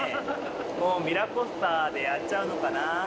もうミラコスタでやっちゃうのかな。